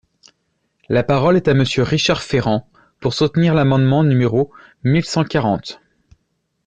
La parole est à Monsieur Richard Ferrand, pour soutenir l’amendement numéro mille cent quarante.